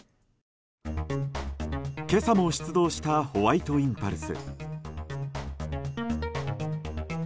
今朝も出動したホワイトインパルス。